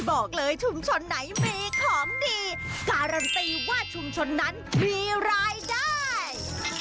บอกเลยชุมชนไหนมีของดีการันตีว่าชุมชนนั้นมีรายได้